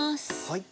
はい。